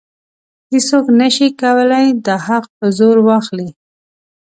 هیڅوک نشي کولی دا حق په زور واخلي.